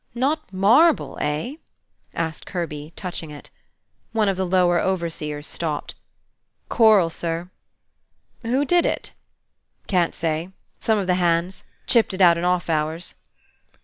"Not marble, eh?" asked Kirby, touching it. One of the lower overseers stopped. "Korl, Sir." "Who did it?" "Can't say. Some of the hands; chipped it out in off hours."